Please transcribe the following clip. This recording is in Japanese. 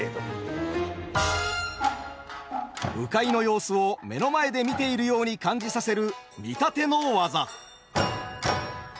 鵜飼の様子を目の前で見ているように感じさせる「見立て」の技。